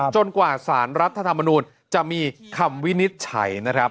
กว่าสารรัฐธรรมนูลจะมีคำวินิจฉัยนะครับ